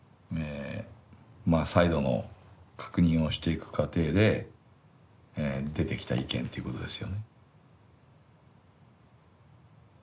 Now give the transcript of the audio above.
まあ再度の確認をしていく過程で出てきた意見っていうことですよね。